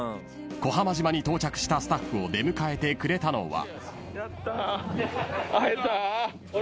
［小浜島に到着したスタッフを出迎えてくれたのは］